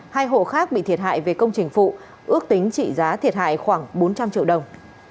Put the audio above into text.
hai hộ khác bị thiệt hại về công trình phụ ước tính trị giá thiệt hại khoảng bốn trăm linh triệu đồng